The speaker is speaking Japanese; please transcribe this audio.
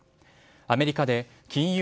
アメリカで金融